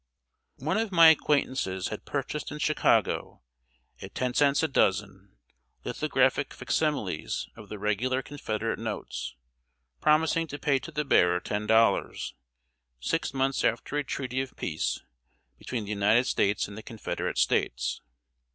] One of my acquaintances had purchased in Chicago, at ten cents a dozen, lithographic fac similes of the regular Confederate notes, promising to pay to the bearer ten dollars, six months after a treaty of peace between the United States and the Confederate States.